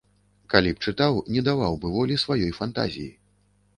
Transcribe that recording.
Калі б чытаў, не даваў бы волі сваёй фантазіі.